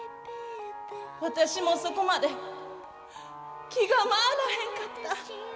私もそこまで気が回らへんかった。